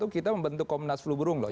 kita membentuk komnas flu burung loh